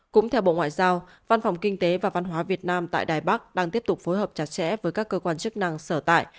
cũng theo bộ ngoại giao văn phòng kinh tế và văn hóa việt nam tại đài bắc đang tiếp tục phối hợp chặt chẽ với các cơ quan chức năng sở tại